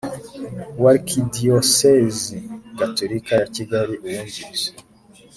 W arkidiyosezigatolika ya kigali uwungirije